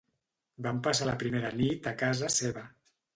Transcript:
Vam passar la primera nit a casa seva.